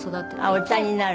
お茶になる。